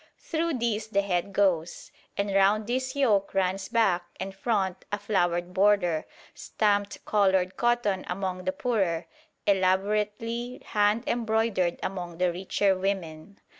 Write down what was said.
Through this the head goes, and round this yoke runs back and front a flowered border, stamped coloured cotton among the poorer, elaborately hand embroidered among the richer, women.